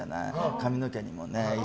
髪の毛にもね。